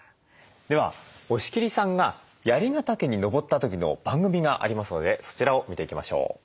では押切さんが槍ヶ岳に登った時の番組がありますのでそちらを見ていきましょう。